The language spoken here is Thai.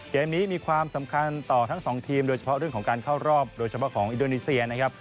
เกมนี้มีความสำคัญต่อทั้งสองทีมโดยเฉพาะเรื่องของการเข้ารอบโดยเฉพาะของอินโดนีเซียนะครับ